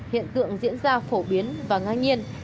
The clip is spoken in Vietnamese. hiện tượng diễn ra phổ biến và ngang nhiên